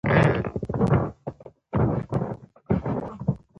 زیاتره ځوانان پابجي ګیم لوبولو له درسونو، ژوند او ورځنیو کارونو څخه ایستلي دي